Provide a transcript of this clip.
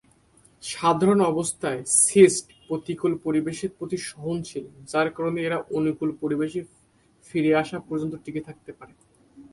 সাধারণ অবস্থায় সিস্ট প্রতিকূল পরিবেশের প্রতি সহনশীল, যার কারণে এরা অনুকূল পরিবেশ ফিরে আসা পর্যন্ত টিকে থাকতে পারে।